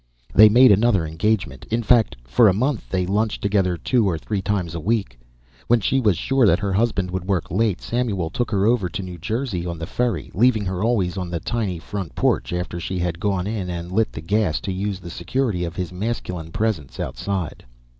They made another engagement; in fact, for a month they lunched together two or three times a week. When she was sure that her husband would work late Samuel took her over to New Jersey on the ferry, leaving her always on the tiny front porch, after she had gone in and lit the gas to use the security of his masculine presence outside.